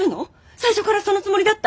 最初からそのつもりだった？